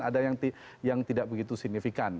ada yang tidak begitu signifikan